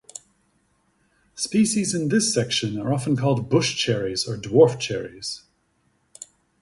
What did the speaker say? Species in this section are often called bush cherries or dwarf cherries.